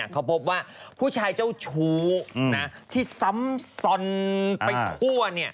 เขาพบว่าผู้ชายเจ้าชูที่สำสรรค์ไปทั่ว